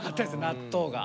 納豆が。